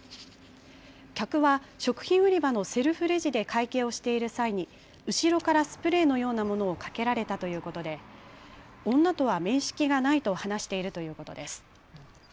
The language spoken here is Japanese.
客は食品売り場のセルフレジで会計をしている際に後ろからスプレーのようなものをかけられたということで女とは面識がないと話しているということです。